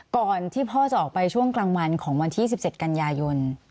ก่อนที่พ่อจะออกไปช่วงกลางวันของวันที่๑๗กันยายน